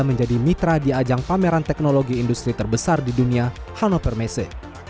menjadi mitra di ajang pameran teknologi industri terbesar di dunia hannover messe